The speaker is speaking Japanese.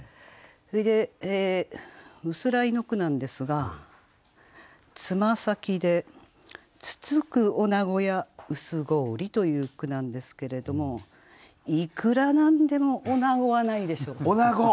それで「薄氷」の句なんですが「つま先で突く女子や薄氷」という句なんですけれどもいくら何でも「おなご」はないでしょう。